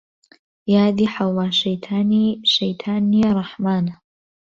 یادی حەوڵا شەیتانی شەیتان نیە ڕەحمانە